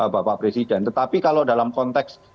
bapak presiden tetapi kalau dalam konteks